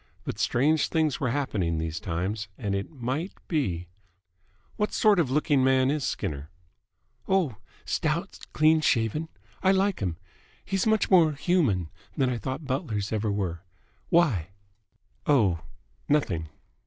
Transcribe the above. But strange things were happening these times, and it might be ... "What sort of looking man is Skinner?" "Oh, stout, clean shaven. I like him. He's much more human than I thought butlers ever were. Why?" "Oh, nothing."